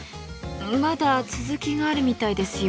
まだ続きがあるみたいですよ。